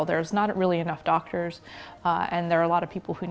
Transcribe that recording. dan banyak orang yang membutuhkan kepentingan